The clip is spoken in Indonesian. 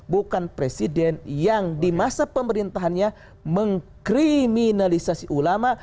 bukan presiden yang di masa pemerintahannya mengkriminalisasi ulama